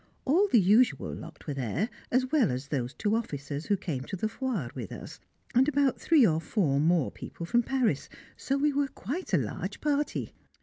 All the usual lot were there, as well as those two officers who came to the Foire with us, and about three or four more people from Paris, so we were quite a large party.